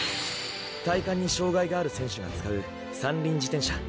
体幹に障がいがある選手が使う三輪自転車。